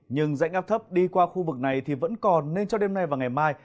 nhưng dãy ngáp thấp đi qua khu vực này thì vẫn còn nên cho đêm nay và ngày mai